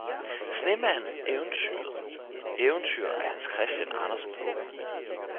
Sneemanden eventyret eventyr af hans christian andersen h